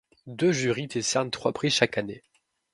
Deux jurys décernent trois prix chaque année.